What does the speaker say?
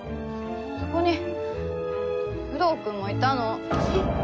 そこにフドウ君もいたの。